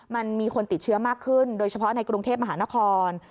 มันมีคนติดเชื้อมากขึ้นโดยเฉพาะในกรุงเทพมหานคร